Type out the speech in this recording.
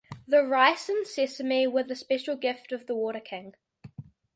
The rice and sesame were the special gift of the Water King.